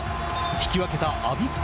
引き分けたアビスパ